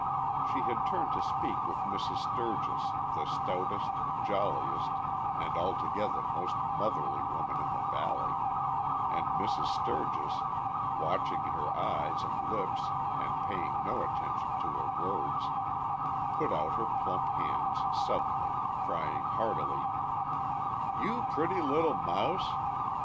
She had turned to speak with Mrs. Sturgis, the stoutest, jolliest and altogether most motherly woman in the valley, and Mrs. Sturgis, watching her eyes and lips and paying no attention to her words, put out her plump hands suddenly, crying heartily: "You pretty little mouse!